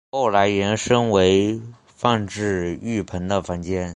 后来延伸为放置浴盆的房间。